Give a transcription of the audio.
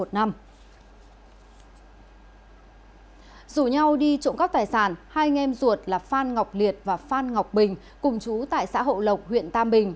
dù nhau đi trộm cắp tài sản hai anh em ruột là phan ngọc liệt và phan ngọc bình cùng chú tại xã hậu lộc huyện tam bình